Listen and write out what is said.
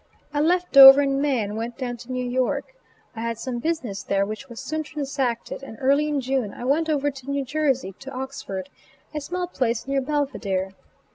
I left Dover in May and went down to New York. I had some business there which was soon transacted, and early in June I went over to New Jersey to Oxford, a small place near Belvidere.